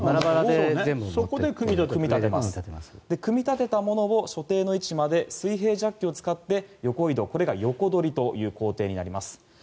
組み立てたものを所定の位置まで水平ジャッキを使って横移動、これが横取りという工程になります。